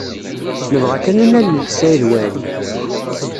Nebɣa kan ad nalel Saɛid Waɛli.